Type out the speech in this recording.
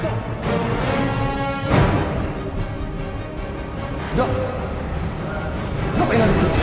ngapain kamu disini